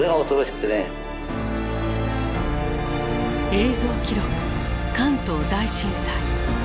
「映像記録関東大震災」。